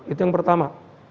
itu yang pertama